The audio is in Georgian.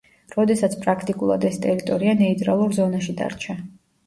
როდესაც პრაქტიკულად ეს ტერიტორია „ნეიტრალურ ზონაში“ დარჩა.